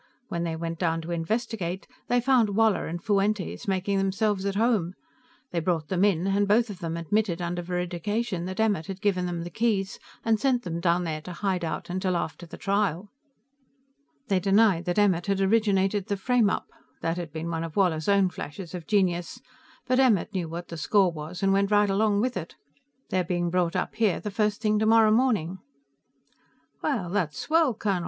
When they went down to investigate, they found Woller and Fuentes making themselves at home. They brought them in, and both of them admitted under veridication that Emmert had given them the keys and sent them down there to hide out till after the trial. "They denied that Emmert had originated the frameup. That had been one of Woller's own flashes of genius, but Emmert knew what the score was and went right along with it. They're being brought up here the first thing tomorrow morning." "Well, that's swell, Colonel!